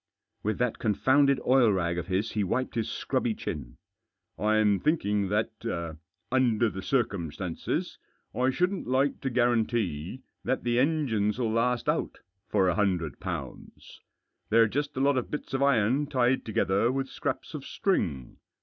With that confounded oil rag of his he wiped his scrubby chin. " I'm thinking that, under the circumstances, I shouldn't like to guarantee that the engines '11 last out for a hundred pounds. They're just a lot of bits of iron tied together with scraps of string.